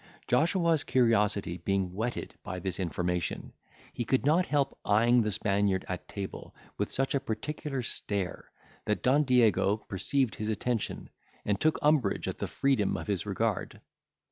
Joshua's curiosity being whetted by this information, he could not help eyeing the Spaniard at table with such a particular stare, that Don Diego perceived his attention, and took umbrage at the freedom of his regard.